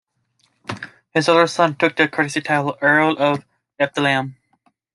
His elder son took the courtesy title, Earl of Eltham.